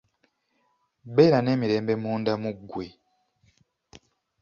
Beera n’emirembe munda mu ggwe.